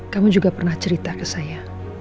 kamu juga pernah cerita ke saya